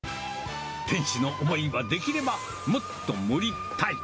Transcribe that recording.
店主の思いはできればもっと盛りたい。